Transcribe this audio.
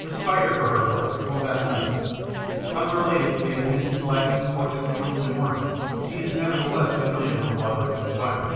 The Spider, for her part, will have none of it. Unrelated to the appendix lacking, corkscrew twirling Worm, she is nevertheless familiar with the logarithmic spiral.